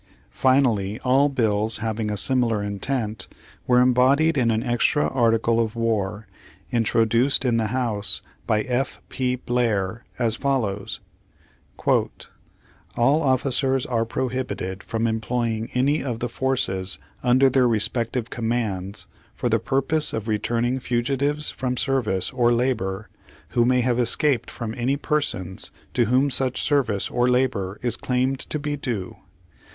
Finally all bills having a similar intent, were embodied in an extra Article of War, introduced in the House by F. P. Blair, =^ as follows : "All officers are prohibited from employing any of the forces under their respective commands for the purpose of returning fugitives from service or labor who may have escaped from any persons to whom such service or labor =" February 25, 18G2. Page Fifty six is claimed to be due.